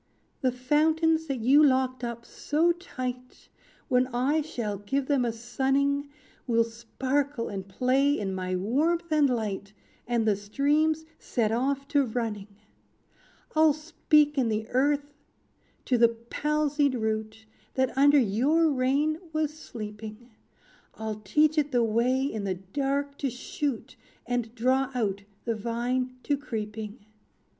"The fountains that you locked up so tight, When I shall give them a sunning, Will sparkle and play in my warmth and light, And the streams set off to running. "I'll speak in the earth to the palsied root, That under your reign was sleeping; I'll teach it the way in the dark to shoot, And draw out the vine to creeping.